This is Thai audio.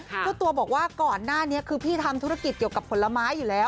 เจ้าตัวบอกว่าก่อนหน้านี้คือพี่ทำธุรกิจเกี่ยวกับผลไม้อยู่แล้ว